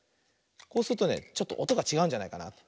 こうするとねちょっとおとがちがうんじゃないかな。